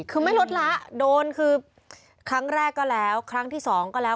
คือไม่ลดละโดนคือครั้งแรกก็แล้วครั้งที่สองก็แล้ว